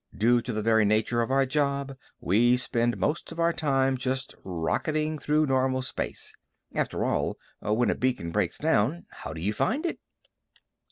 Due to the very nature of our job, we spend most of our time just rocketing through normal space. After all, when a beacon breaks down, how do you find it?